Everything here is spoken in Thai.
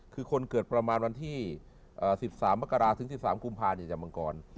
คือคนเกิดประมาณวันที่๑๓มกราศถึง๑๓กุมภาจากมังกร